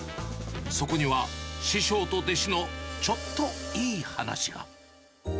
そこには、師匠と弟子のちょっといい話が。